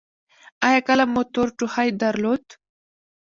ایا کله مو تور ټوخی درلود؟